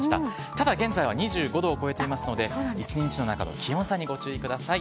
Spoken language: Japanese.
ただ現在は２５度を超えていますので、一日の中の気温差にご注意ください。